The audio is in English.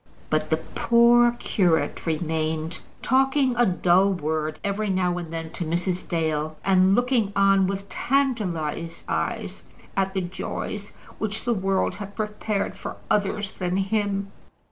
But the poor curate remained, talking a dull word every now and then to Mrs. Dale, and looking on with tantalized eyes at the joys which the world had prepared for others than him.